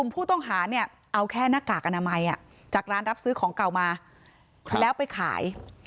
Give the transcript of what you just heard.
ผู้ต้องหาเนี่ยเอาแค่หน้ากากอนามัยจากร้านรับซื้อของเก่ามาแล้วไปขาย